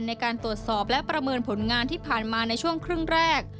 ในการตรวจสอบและประเมินผลงานที่ผ่านมาในช่วงครึ่งแรก